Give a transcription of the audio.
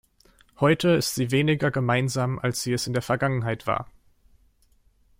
Heute ist sie weniger gemeinsam, als sie es in der Vergangenheit war!